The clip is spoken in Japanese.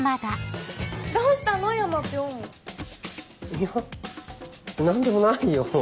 いや何でもないよ。